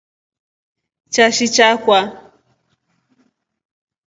Chashi chikwa.